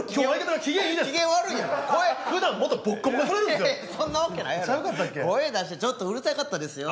声出してちょっとうるさかったですよ。